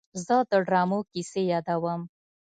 زه د ډرامو کیسې یادوم.